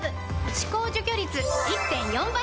歯垢除去率 １．４ 倍！